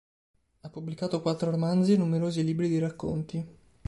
Ha pubblicato quattro romanzi e numerosi libri di racconti.